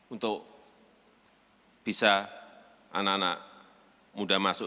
untuk bisa anak anak muda masuk